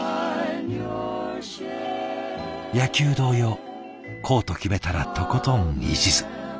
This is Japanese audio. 野球同様こうと決めたらとことんいちず。